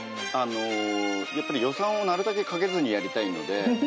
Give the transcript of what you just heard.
やっぱり予算をなるたけかけずにやりたいので。